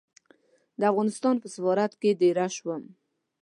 د افغانستان په سفارت کې دېره شوم.